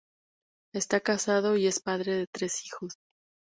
Esta casado y es padre de tres hijos.